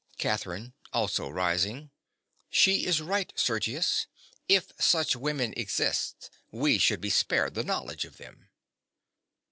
_) CATHERINE. (also rising). She is right, Sergius. If such women exist, we should be spared the knowledge of them.